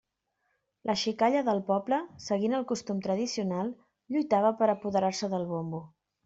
La xicalla del poble, seguint el costum tradicional, lluitava per apoderar-se del bombo.